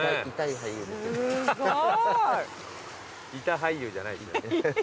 「痛俳優」じゃないです。